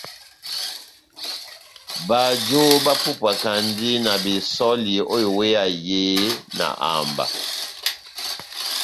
Bajo bapupwakandi na besὸli ó iweya yehé na amba.